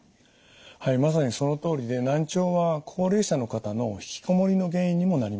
はいまさにそのとおりで難聴は高齢者の方の引きこもりの原因にもなります。